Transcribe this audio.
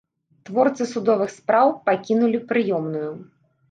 Творцы судовых спраў пакінулі прыёмную.